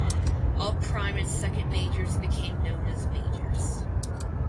All prime and second majors became known as majors.